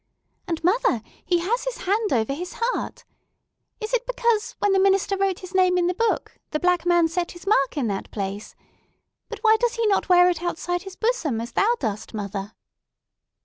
"And, mother, he has his hand over his heart! Is it because, when the minister wrote his name in the book, the Black Man set his mark in that place? But why does he not wear it outside his bosom, as thou dost, mother?"